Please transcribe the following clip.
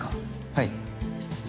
はい。